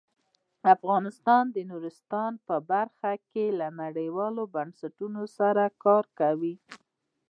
افغانستان د نورستان په برخه کې له نړیوالو بنسټونو سره کار کوي.